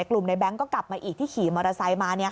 กลุ่มในแง๊งก็กลับมาอีกที่ขี่มอเตอร์ไซค์มา